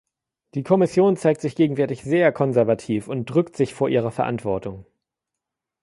Die Kommission zeigt sich gegenwärtig sehr konservativ und drückt sich vor ihrer Verantwortung.